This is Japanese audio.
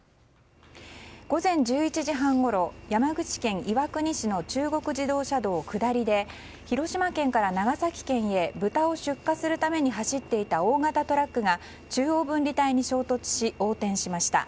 午前１１時半ごろ山口県岩国市の中国自動車道下りで広島県から長崎県へ豚を出荷するために走っていた大型トラックが中央分離帯に衝突し横転しました。